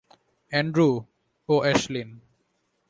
Andrew, ও Ashlyn.